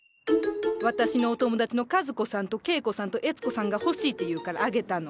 私のお友達の和子さんと恵子さんと悦子さんが欲しいっていうからあげたの。